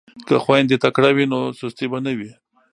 که خویندې تکړه وي نو سستي به نه وي.